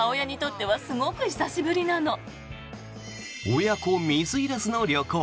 親子水入らずの旅行。